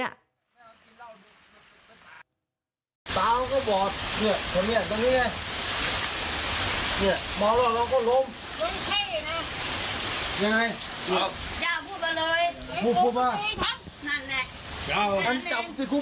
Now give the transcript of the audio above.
ยาวพูดมาเลยพูด